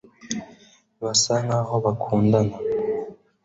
basa nkaho bakundana